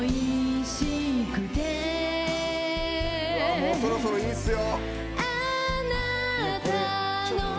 もうそろそろ、いいっすよ。